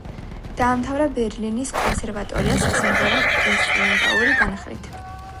დაამთავრა ბერლინის კონსერვატორია სასიმღერო ინსტრუმენტალური განხრით.